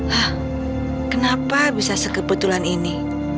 hah kenapa bisa sekebetulan ini